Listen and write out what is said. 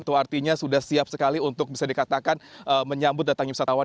itu artinya sudah siap sekali untuk bisa dikatakan menyambut datangnya wisatawan